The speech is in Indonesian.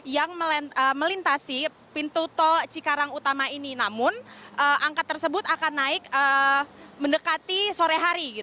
yang melintasi pintu tol cikarang utama ini namun angka tersebut akan naik mendekati sore hari